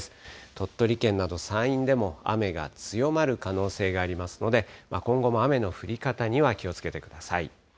鳥取県など山陰でも雨が強まる可能性がありますので、今後も雨の降り方には気をつけてください。